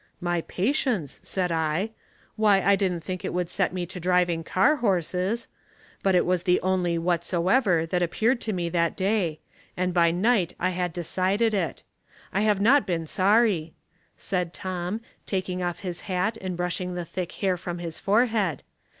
' My patience,' said I. Why, I didn't think it would set me to driving car horses ! But it was the only * whatsoever' that appeared to me that day, and by night I had decided it. I have not been sorry," said Tom, taking off his hat and brushing the thick hair from his forehead.